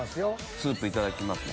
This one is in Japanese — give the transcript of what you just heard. スープいただきますね。